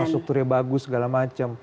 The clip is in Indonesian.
infrastrukturnya bagus segala macam